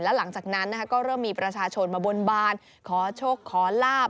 หลังจากนั้นก็เริ่มมีประชาชนมาบนบานขอโชคขอลาบ